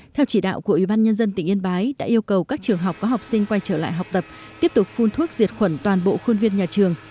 theo chỉ đạo của ủy ban nhân dân tỉnh yên bái đã yêu cầu các trường học có học sinh quay trở lại học tập tiếp tục phun thuốc diệt khuẩn toàn bộ khuôn viên nhà trường